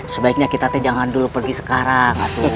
sebaiknya kita jangan dulu pergi sekarang ya